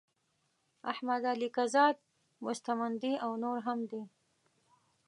احمد علی کهزاد مستمندي او نور هم دي.